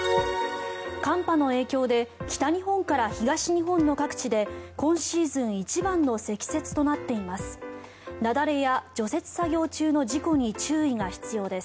寒波の影響で北日本から東日本の各地で今シーズン一番の積雪となっています。